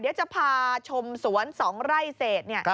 เดี๋ยวจะพาชมสวนสองไร่เศษ